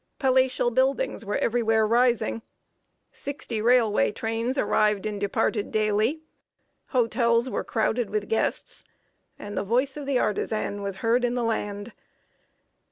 Palatial buildings were everywhere rising; sixty railway trains arrived and departed daily; hotels were crowded with guests; and the voice of the artisan was heard in the land.